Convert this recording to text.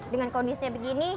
dengan kondisinya begini